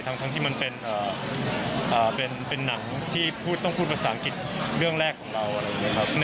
ทั้งที่มันเป็นหนังที่ต้องพูดภาษาอังกฤษเรื่องแรกของเรา